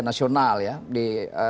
nasional ya di